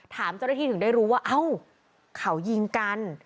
ถามเจ้าหน้าที่ถึงได้รู้ว่าเอ้าเขายิงกัน